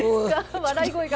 笑い声が。